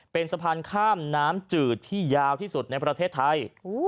เป็นสะพานข้ามน้ำจืดที่ยาวที่สุดในประเทศไทย